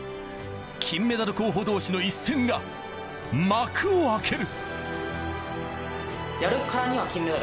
金メダル候補同士の一戦が幕を開ける。